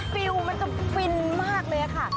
ฟีลมันจะฟิลมากเลยนะคะ